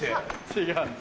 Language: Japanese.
違うんだ。